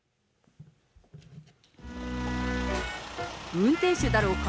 運転手だろうか。